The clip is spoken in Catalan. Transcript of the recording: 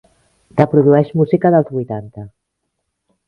Reprodueix música dels vuitanta.